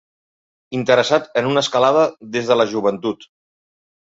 Interessat en una escalada des de la joventut.